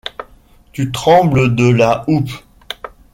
«Tu trembles de la houppe».